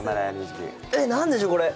え、何でしょう、これ。